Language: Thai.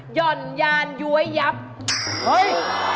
ห่อนยานย้วยยับเฮ้ย